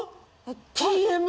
Ｔ．Ｍ